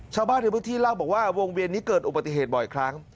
ชาวบ้านในพื้นที่เล่าบอกว่าวงเวียนนี้เกิดอุบัติเหตุบ่อยครั้ง